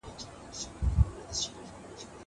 زه مخکي د ښوونځی لپاره امادګي نيولی وو!!